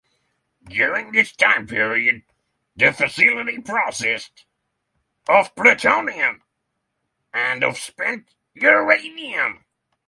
During this time period, the facility processed of plutonium and of spent uranium.